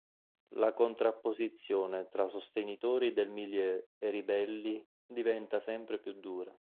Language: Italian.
La contrapposizione tra sostenitori del Milieu e Ribelli diventa sempre più dura.